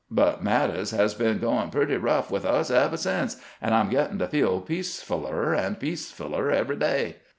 But matters has been goin' pretty rough with us ever since, and I 'm gettin' to feel peacef uUer and peacef uUer every day.